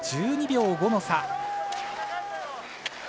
１２秒５の差。